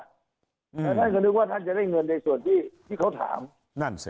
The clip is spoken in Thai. แล้วท่านก็นึกว่าท่านจะได้เงินในส่วนที่เขาถามนั่นสิ